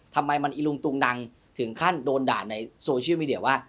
ทำไมมันอีลุงตุงนังถึงขั้นโดนด่าในโซเชียลมีเดียว่า